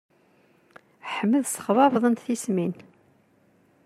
Ḥmed ssexbabḍent-t tismin.